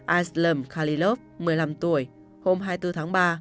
islam khalilov một mươi năm tuổi hôm hai mươi bốn tháng ba